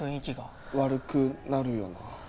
悪くなるよな。